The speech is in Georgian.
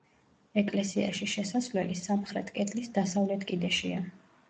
ეკლესიაში შესასვლელი სამხრეთ კედლის დასავლეთ კიდეშია.